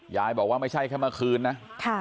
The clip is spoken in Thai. ยายบอกว่าไม่ใช่แค่เมื่อคืนนะ